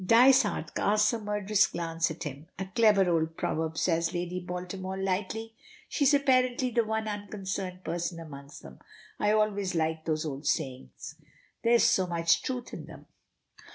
Dysart casts a murderous glance at him. "A clever old proverb," says Lady Baltimore lightly. She is apparently the one unconcerned person amongst them. "I always like those old sayings. There is so much truth in them."